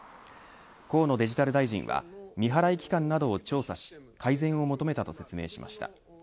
河野デジタル大臣は未払い期間などを調査し改善を求めたと説明しました。